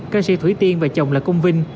ca sĩ thủy tiên và chồng là công vinh